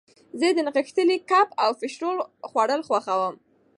زه د نغښتلي کب او فش رول خوړل خوښوم.